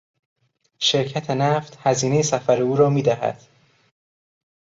شرکت نفت هزینهی سفر او را میدهد.